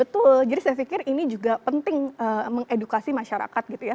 betul jadi saya pikir ini juga penting mengedukasi masyarakat gitu ya